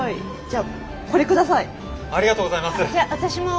ありがとうございます！